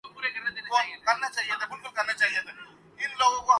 تجرباتی طور پر کام شروع ہو چکا ہے